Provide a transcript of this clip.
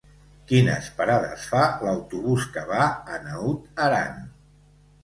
Quines parades fa l'autobús que va a Naut Aran?